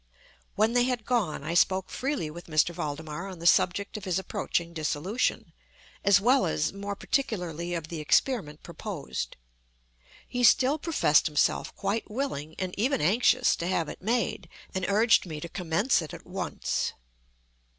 When they had gone, I spoke freely with M. Valdemar on the subject of his approaching dissolution, as well as, more particularly, of the experiment proposed. He still professed himself quite willing and even anxious to have it made, and urged me to commence it at once.